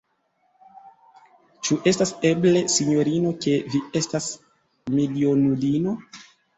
Ĉu estas eble, sinjorino, ke vi estas milionulino?